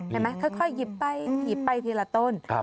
เห็นไหมค่อยหยิบไปทีละต้น